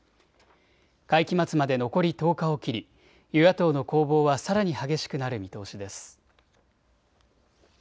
会期末まで残り１０日を切り与野党の攻防はさらに激しくなる見通しです。